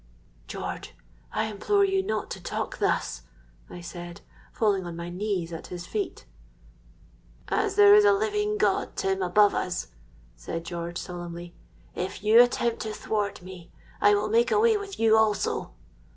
'—'George, I implore you not to talk thus,' I said, falling on my knees at his feet.—'As there is a living God, Tim, above us,' said George, solemnly, 'if you attempt to thwart me, I will make away with you also!'